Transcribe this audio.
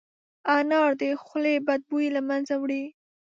انار د خولې بد بوی له منځه وړي.